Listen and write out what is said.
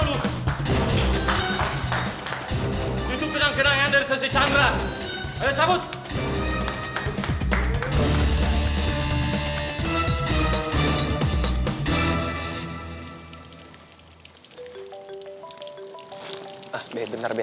lu mah bukan care lo kere